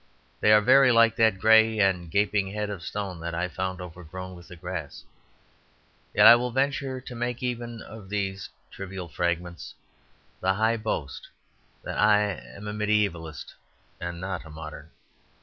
They are very like that grey and gaping head of stone that I found overgrown with the grass. Yet I will venture to make even of these trivial fragments the high boast that I am a medievalist and not a modern.